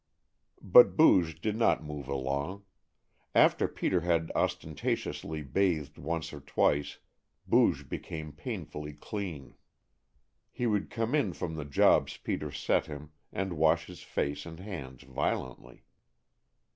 But Booge did not move along. After Peter had ostentatiously bathed once or twice Booge became painfully clean. He would come in from the jobs Peter set him and wash his face and hands violently.